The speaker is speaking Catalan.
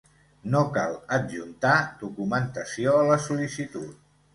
No cal adjuntar documentació a la sol·licitud.